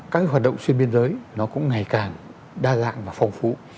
các hoạt động xuyên biên giới nó cũng ngày càng đa dạng và phong phú